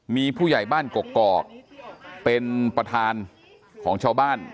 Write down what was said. มีผู้ใหญ่บ้านกกอกเป็นประธานของชาวบ้าน